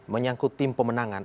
menyangkut tim pemenangan